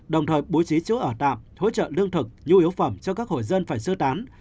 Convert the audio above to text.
đồng thời bố trí chỗ ở tạm hỗ trợ lương thực nhu yếu phẩm cho các hội dân phải sơ tán